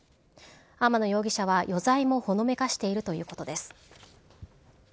天野容疑者は余罪もほのめかしているということです。